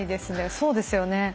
そうですよね。